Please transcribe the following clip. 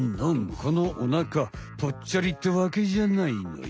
このお腹ぽっちゃりってわけじゃないのよ。